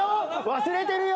忘れてるよ？